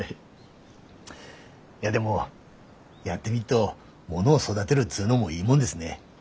いやでもやってみっとものを育でるっつうのもいいもんですね。